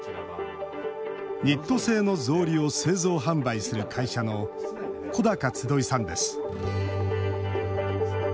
ニット製の草履を製造・販売する会社の小高集さんです。